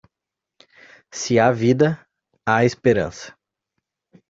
Se há vida, há esperança.